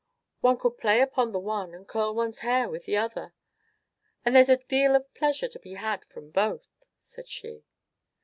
"One could play upon the one and curl one's hair with the other, and there is a deal of pleasure to be had from both," said she.